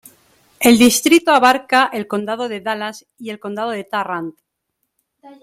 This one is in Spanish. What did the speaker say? El distrito abarca el condado de Dallas y el condado de Tarrant.